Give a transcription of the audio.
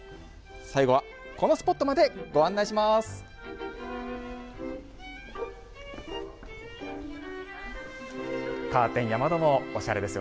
最後は、このスポットまでご案内します。